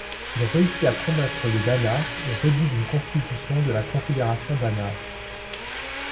Il réussit à convaincre les Bahnar et rédige une Constitution de la Confédération bahnar.